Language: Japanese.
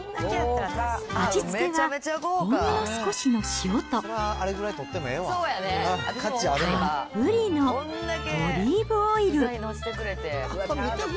味付けはほんの少しの塩とたっぷりのオリーブオイル。